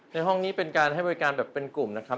ในห้องนี้เป็นการให้บริการแบบเป็นกลุ่มนะครับ